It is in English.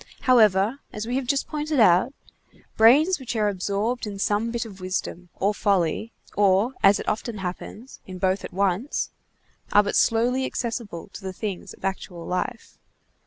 However, as we have just pointed out, brains which are absorbed in some bit of wisdom, or folly, or, as it often happens, in both at once, are but slowly accessible to the things of actual life.